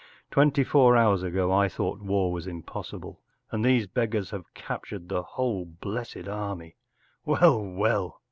Twenty four hours ago I thought war was impossible—and these beggars have captured the whole blessed army ! Well! Well!